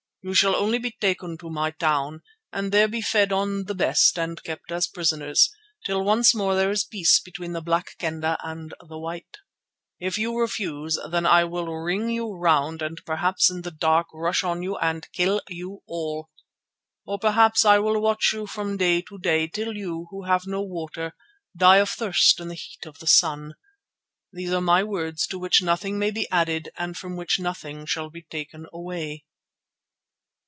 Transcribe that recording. You shall only be taken to my town and there be fed on the best and kept as prisoners, till once more there is peace between the Black Kendah and the White. If you refuse, then I will ring you round and perhaps in the dark rush on you and kill you all. Or perhaps I will watch you from day to day till you, who have no water, die of thirst in the heat of the sun. These are my words to which nothing may be added and from which nothing shall be taken away."